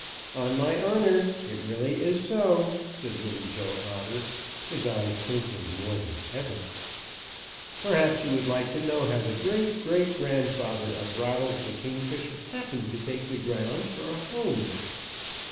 "On my honor it really is so," said Little Joe Otter, his eyes twinkling more than ever. "Perhaps you would like to know how the great great grandfather of Rattles the Kingfisher happened to take the ground for a home."